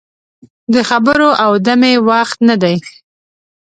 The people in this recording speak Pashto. د خبرو او دمې وخت نه دی.